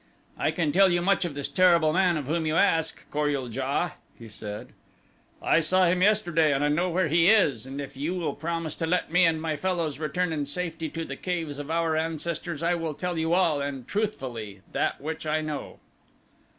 "I can tell you much of this terrible man of whom you ask, Kor ul JA," he said. "I saw him yesterday and I know where he is, and if you will promise to let me and my fellows return in safety to the caves of our ancestors I will tell you all, and truthfully, that which I know."